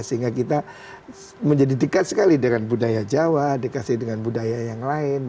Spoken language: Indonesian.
sehingga kita menjadi dekat sekali dengan budaya jawa dikasih dengan budaya yang lain